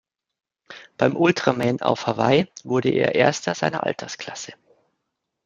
Beim "Ultraman" auf Hawaii wurde er Erster seiner Altersklasse.